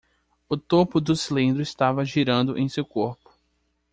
O topo do cilindro estava girando em seu corpo.